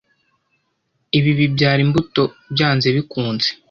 ibi bibyara imbuto byanze bikunze,